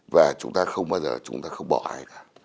và chúng ta không bao giờ chúng ta không bỏ ai cả